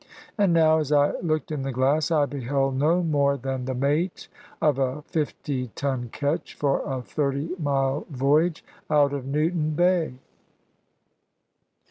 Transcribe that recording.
And now, as I looked in the glass, I beheld no more than the mate of a fifty ton ketch, for a thirty mile voyage out of Newton bay!